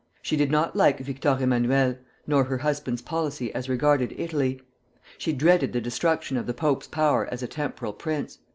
She did not like Victor Emmanuel, nor her husband's policy as regarded Italy. She dreaded the destruction of the pope's power as a temporal prince.